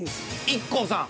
ＩＫＫＯさん。